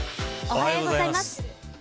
おはようございます。